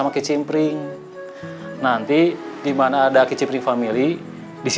ia kena tahu pilihan